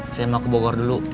saya mau ke bogor dulu